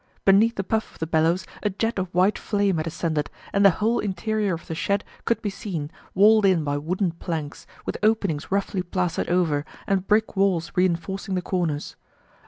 Beneath the puff of the bellows a jet of white flame had ascended and the whole interior of the shed could be seen, walled in by wooden planks, with openings roughly plastered over, and brick walls reinforcing the corners.